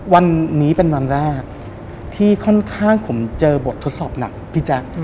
วันนี้เป็นวันแรกที่ค่อนข้างผมเจอบททดสอบหนักพี่แจ๊ค